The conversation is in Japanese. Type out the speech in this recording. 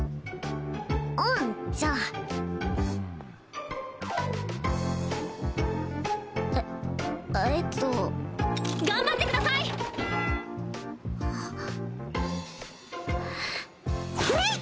うんじゃあええっと頑張ってくださいえいっ！